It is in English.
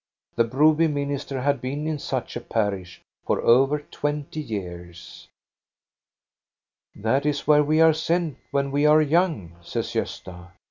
The Broby minister had been in such a parish for over twenty years. " That is where we are sent when we are young," says Gosta.